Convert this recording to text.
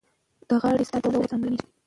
د غاړې سرطان د ورزش له امله کمېږي.